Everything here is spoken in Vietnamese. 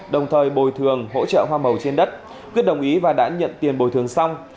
đồng thời bồi thường hỗ trợ hoa màu trên đất quyết đồng ý và đã nhận tiền bồi thường xong